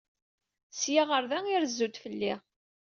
Seg-a ɣer da irezzu-d fell-i.